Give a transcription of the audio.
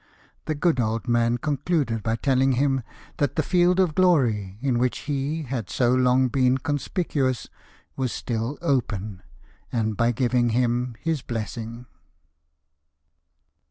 The good old man concluded by telhng him that the field of glory, in which he had so long been conspicuous, was still open, and by giving him his blessing.